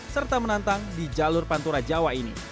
serta menantang di jalur pantura jawa ini